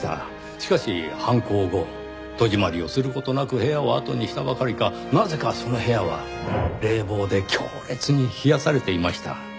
しかし犯行後戸締まりをする事なく部屋を後にしたばかりかなぜかその部屋は冷房で強烈に冷やされていました。